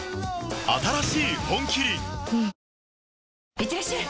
いってらっしゃい！